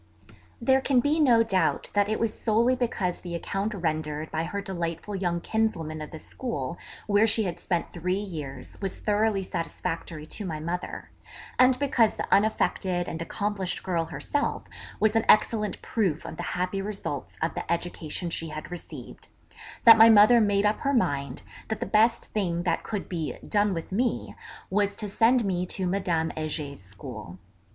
There can be no doubt that it was solely because the account rendered by her delightful young kinswoman of the school where she had spent three years was thoroughly satisfactory to my mother, and because the unaffected and accomplished girl herself was an excellent proof of the happy results of the education she had received, that my mother made up her mind that the best thing that could be 'done with me,' was to send me to Madame Heger's school.